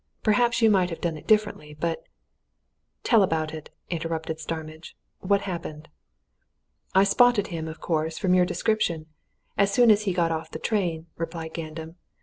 Perhaps you might have done differently, but " "Tell about it!" interrupted Starmidge. "What happened?" "I spotted him, of course, from your description, as soon as he got out of the train," replied Gandam.